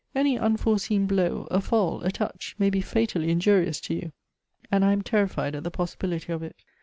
Any unforseen blow, a fall, a touch, may be fatally injurious to you ; and I am terrified at the possi bility of it.